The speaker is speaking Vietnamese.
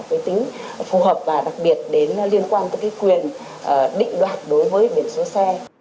với tính phù hợp và đặc biệt đến liên quan tới cái quyền định đoạt đối với biển số xe